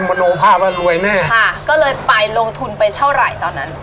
โหมนโมภาพอะรวยแน่ค่ะก็เลยปลายลงทุนไปเท่าไหร่ตอนนั้น